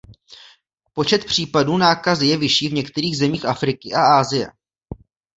Počet případů nákazy je vyšší v některých zemích Afriky a Asie.